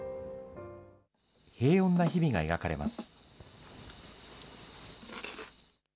平穏な日々が描かれます。